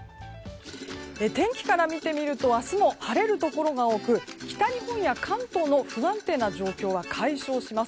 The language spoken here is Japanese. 天気から見てみると明日も晴れるところが多く北日本や関東も不安定な状況は解消します。